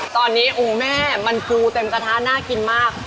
ตอนนี้อุ้งแม่เป็นครูเต็มกระทะน่ากินมาก